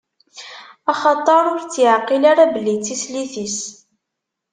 Axaṭer ur tt-iɛqil ara belli d tislit-is.